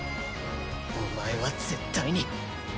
お前は絶対に。